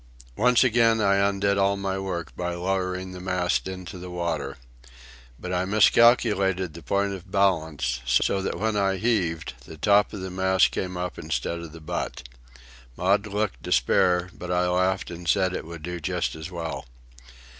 Once again I undid all my work by lowering the mast into the water. But I miscalculated the point of balance, so that when I heaved the top of the mast came up instead of the butt. Maud looked despair, but I laughed and said it would do just as well.